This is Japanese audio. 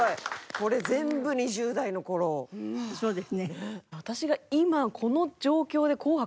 そうですね。